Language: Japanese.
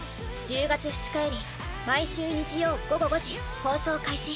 １０月２日より毎週日曜午後５時放送開始